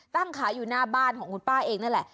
ตั้งขายอยู่หน้าบ้านของคุณป้าเองนั่นแหละ